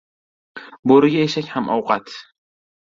• Bo‘riga eshak ham ovqat.